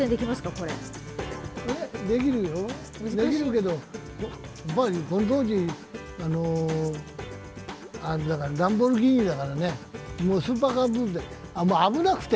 これできるけど、この当時、ランボルギーニだからね、スーパーカーブームで、危なくて。